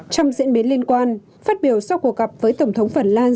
trong diễn biến liên quan phát biểu sau cuộc gặp với tổng thống phần lan